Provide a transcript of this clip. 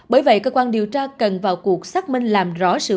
bởi vậy cơ quan điều tra cần vào cuộc xác minh làm